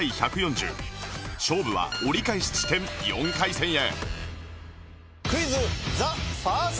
勝負は折り返し地点４回戦へ